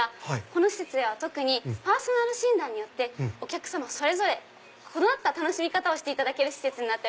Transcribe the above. この施設では特にパーソナル診断によってお客様それぞれこだわった楽しみ方をしていただける施設。